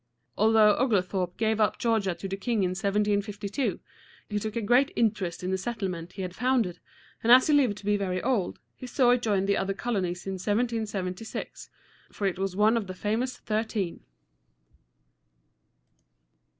Although Oglethorpe gave up Georgia to the king in 1752, he took a great interest in the settlement he had founded, and as he lived to be very old, he saw it join the other colonies in 1776, for it was one of the famous thirteen.